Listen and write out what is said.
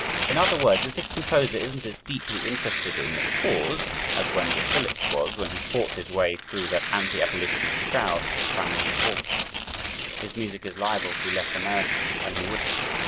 In other words, if this composer isn't as deeply interested in the "cause" as Wendell Phillips was, when he fought his way through that anti abolitionist crowd at Faneuil Hall, his music is liable to be less American than he wishes.